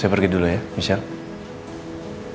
saya pergi dulu ya michelle